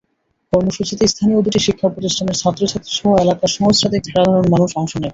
কর্মসূচিতে স্থানীয় দুটি শিক্ষাপ্রতিষ্ঠানের ছাত্রছাত্রীসহ এলাকার সহস্রাধিক সাধারণ মানুষ অংশ নেয়।